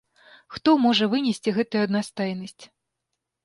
Хто можа вынесці гэту аднастайнасць?